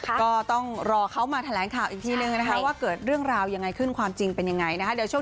ก็ต้องรอเขามาแถลงข่าวอีกทีนึงนะคะว่าเกิดเรื่องราวยังไงขึ้นความจริงเป็นยังไงนะคะ